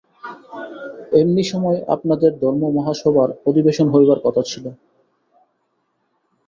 এমনি সময় আপনাদের ধর্ম-মহাসভার অধিবেশন হইবার কথা ছিল।